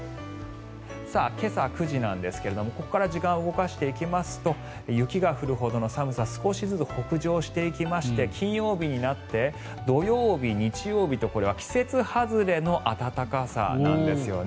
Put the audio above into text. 今朝９時なんですが、ここから時間を動かしていきますと雪が降るほどの寒さ少しずつ北上していきまして金曜日になって土曜日、日曜日とこれは季節外れの暖かさなんですよね。